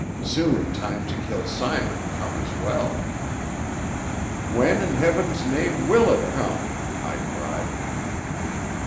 Soon time to kill Simon come as well." "When in Heaven's name will it come?" I cried.